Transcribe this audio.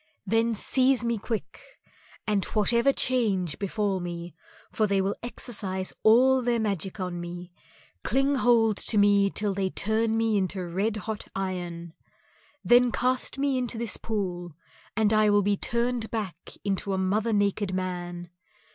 Then seize me quick, and whatever change befall me, for they will exercise all their magic on me, cling hold to me till they turn me into red hot iron. Then cast me into this pool and I will be turned back into a mother naked man.